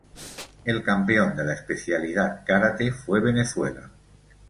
El campeón de la especialidad Karate fue Venezuela.